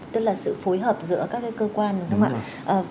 tức là sự phối hợp giữa các cái cơ quan đúng không ạ